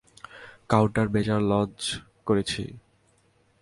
Countermeasure launch করছি।